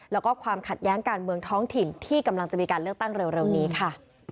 แล้วก็ความขัดแย้งการเมืองท้องถิ่นที่กำลังจะมีการเลือกตั้งเร็วนี้ค่ะ